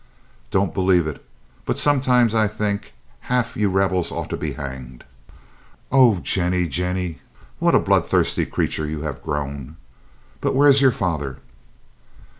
"Don't believe it, but I sometimes think half of you Rebels ought to be hanged." "Oh, Jennie, Jennie! what a bloodthirsty creature you have grown! But where is your father?"